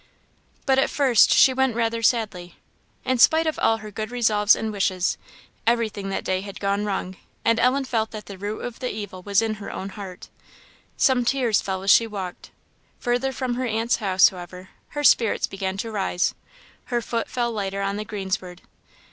But at first she went rather sadly. In spite of all her good resolves and wishes, everything that day had gone wrong; and Ellen felt that the root of the evil was in her own heart. Some tears fell as she walked. Further from her aunt's house, however, her spirits began to rise; her foot fell lighter on the greensward.